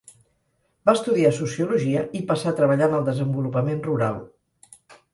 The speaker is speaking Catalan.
Va estudiar sociologia i passà a treballar en el desenvolupament rural.